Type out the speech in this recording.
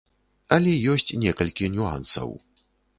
Але ёсць некалькі нюансаў.